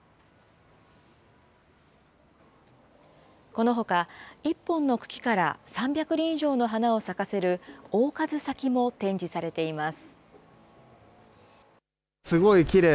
このほか、１本の茎から３００輪以上の花を咲かせる大数咲も展示されています。